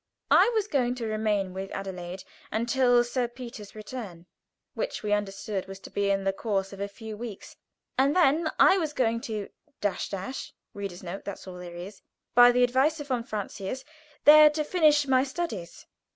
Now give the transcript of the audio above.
I was going to remain with Adelaide until Sir Peter's return, which, we understood, was to be in the course of a few weeks, and then I was going to , by the advice of von Francius, there to finish my studies.